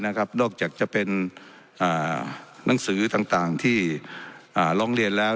นอกจากจะเป็นหนังสือต่างที่ร้องเรียนแล้ว